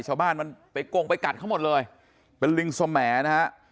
ชาวบ้านมันไปกงไปกัดเขาหมดเลยเป็นลิงสมแหนะฮะ